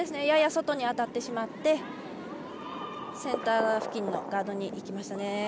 やや外に当たってしまってセンター付近のガードに行きましたね。